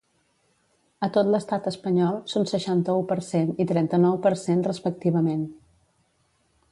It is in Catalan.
A tot l’estat espanyol, són seixanta-u per cent i trenta-nou per cent, respectivament.